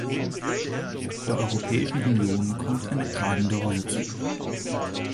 Der Europäischen Union kommt eine tragende Rolle zu.